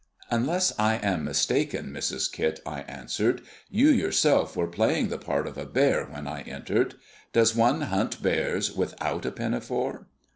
"Unless I am mistaken, Mrs. Kit," I answered, "you yourself were playing the part of a bear when I entered. Does one hunt bears without a pinafore?"